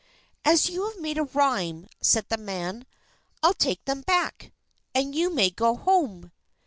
"As you have made a rhyme," said the man, "I'll take them back, and you may go home."